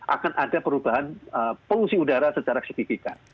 akan ada perubahan polusi udara secara signifikan